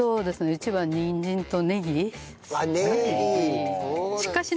うちはにんじんとねぎ。